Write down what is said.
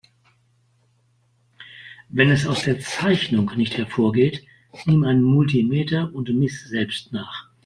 Wenn es aus der Zeichnung nicht hervorgeht, nimm ein Multimeter und miss selbst nach.